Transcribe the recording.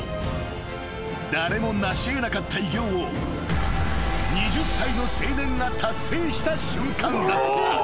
［誰もなし得なかった偉業を２０歳の青年が達成した瞬間だった］